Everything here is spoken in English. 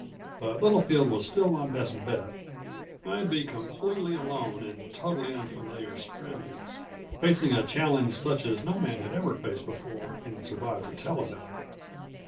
But Littlefield was still my best bet I'd be completely alone in totally unfamiliar surroundings, facing a challenge such as no man had ever faced before and survived to tell about it.